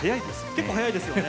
結構早いですよね。